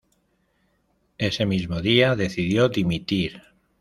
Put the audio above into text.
Ese mismo día, decidió dimitir.